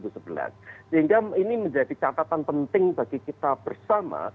sehingga ini menjadi catatan penting bagi kita bersama